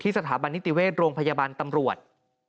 สถาบันนิติเวชโรงพยาบาลตำรวจ